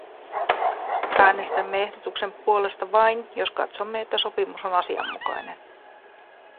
Äänestämme ehdotuksen puolesta vain, jos katsomme, että sopimus on asianmukainen.